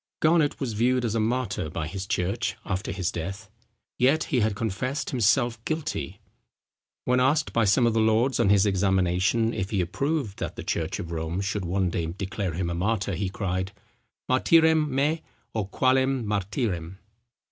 Garnet was viewed as a martyr by his church after his death. Yet he had confessed himself guilty. When asked by some of the lords on his examination, if he approved that the church of Rome should one day declare him a martyr, he cried, Martyrem me, O qualem Martyrem.